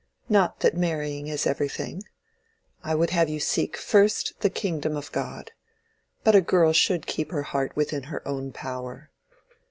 Not that marrying is everything. I would have you seek first the kingdom of God. But a girl should keep her heart within her own power."